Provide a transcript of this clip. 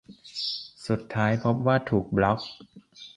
สุดท้ายพบว่าถูกบล็อค